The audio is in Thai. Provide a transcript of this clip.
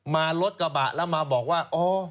มารถกระบะแล้วมาบอกว่าอ๋อ